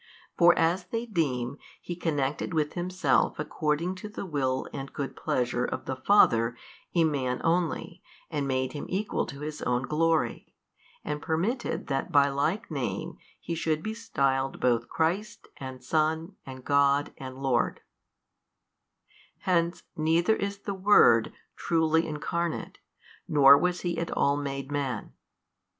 for as they deem, He connected with Himself according to the Will and Good pleasure of the Father a man only and made him equal to His own glory, and permitted that by like name he should be styled both Christ and Son and God and Lord: hence neither is the Word truly Incarnate nor was He at all made man.